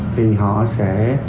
thì họ sẽ